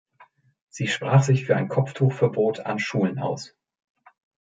Sie sprach sich für ein Kopftuchverbot an Schulen aus.